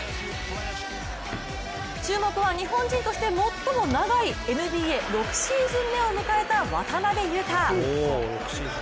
注目は日本人として最も長いＮＢＡ６シーズン目を迎えた渡邊雄太。